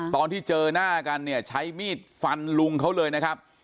ตอนที่เจอหน้ากันเนี่ยใช้มีดฟันลุงเขาเลยนะครับ